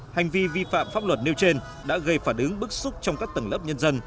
hành vi vi phạm pháp luật nêu trên đã gây phản ứng bức xúc trong các tầng lớp nhân dân